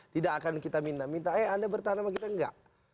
tidak akan kita minta minta eh anda bertahan sama kita enggak